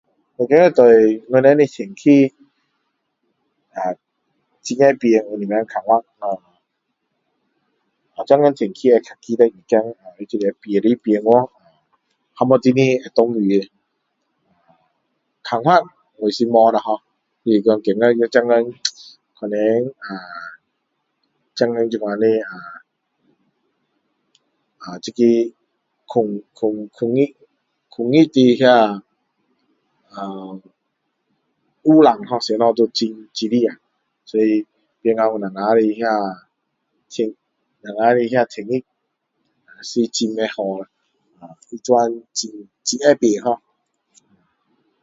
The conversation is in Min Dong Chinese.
我觉得对我们的天气很会变有一点较烦恼现今的天气会比较奇怪一点会变来变去突然间下雨看法我是没有啦ho就是觉得现今可能啊现今这样的啊这个工工工工业的啊污染ho都很很很厉害所以就变到我们的那我们的天气是很不好的现在很会变ho